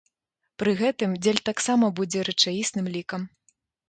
Пры гэтым дзель таксама будзе рэчаісным лікам.